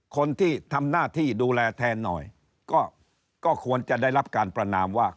คนที่ทำหน้าที่ดูแลแทนหน่อยก็ควรจะได้รับการประนามว่า